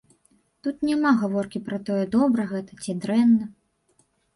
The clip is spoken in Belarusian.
Тут няма гаворкі пра тое, добра гэта ці дрэнна.